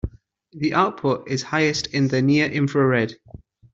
The output is highest in the near infrared.